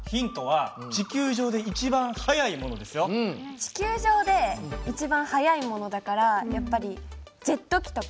地球上で一番速いものだからやっぱりジェット機とか。